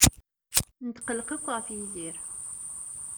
Netqelleq akk ɣef Yidir.